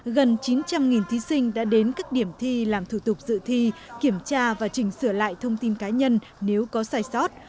gần chín trăm linh thí sinh đã đến các điểm thi làm thủ tục dự thi kiểm tra và chỉnh sửa lại thông tin cá nhân nếu có sai sót